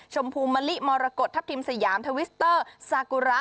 ชมพูมะลิมรกฏทัพทิมสยามทวิสเตอร์ซากุระ